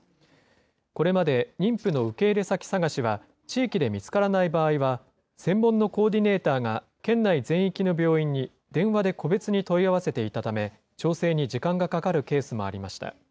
これまで妊婦の受け入れ先探しは地域で見つからない場合は、専門のコーディネーターが県内全域の病院に電話で個別に問い合わせていたため、調整に時間がかかるケースもありました。